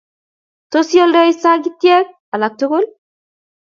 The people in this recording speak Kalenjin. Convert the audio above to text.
Tos, ioldi sagitek alak tugul?